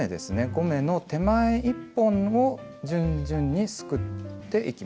５目の手前１本を順々にすくっていきます。